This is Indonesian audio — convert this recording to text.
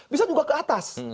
bisa juga ke atas